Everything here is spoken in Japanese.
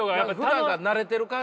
ふだんから慣れてる感じ。